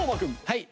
はい。